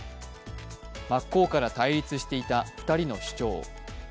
真っ向から対立していた２人の主張。